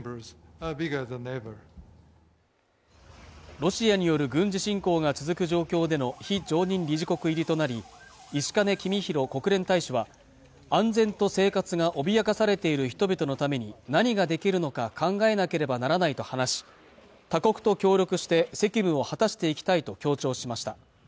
ロシアによる軍事侵攻が続く状況での非常任理事国入りとなり石兼公博国連大使は安全と生活が脅かされている人々のために何ができるのか考えなければならないと話し他国と協力して責務を果たしていきたいと強調しました